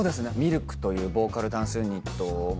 ＬＫというボーカルダンスユニットも。